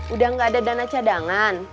udah gak ada dana cadangan